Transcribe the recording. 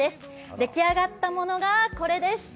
出来上がったものがこれです。